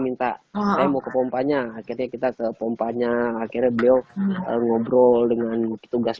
minta saya mau ke pompanya akhirnya kita ke pompanya akhirnya beliau ngobrol dengan petugas